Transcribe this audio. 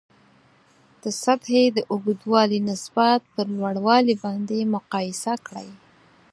د سطحې د اوږدوالي نسبت پر لوړوالي باندې مقایسه کړئ.